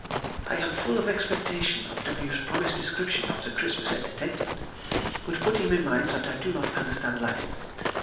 I am full of expectation of W.'s promised description of the Christmas entertainment; but put him in mind that I do not understand Latin.